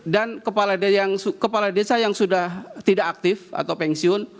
dan kepala desa yang sudah tidak aktif atau pensiun